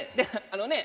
あのね